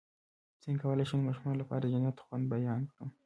څنګه کولی شم د ماشومانو لپاره د جنت د خوند بیان کړم